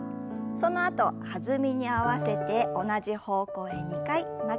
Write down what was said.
そのあと弾みに合わせて同じ方向へ２回曲げて戻します。